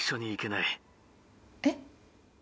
えっ？